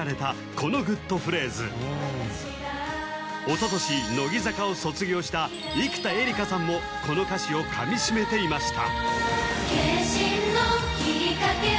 このグッとフレーズおととし乃木坂を卒業した生田絵梨花さんもこの歌詞を噛みしめていました